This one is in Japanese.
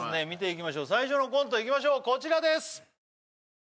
見ていきましょう最初のコントいきましょうこちらです